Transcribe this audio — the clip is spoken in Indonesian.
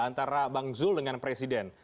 antara bang zul dengan presiden